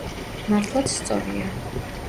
მართლაც სწორია.